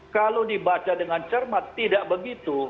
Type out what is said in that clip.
kalau dibaca dengan cermat tidak begitu